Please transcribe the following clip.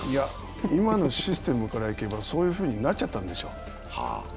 今のシステムからいけばそういうふうになっちゃったんでしょう。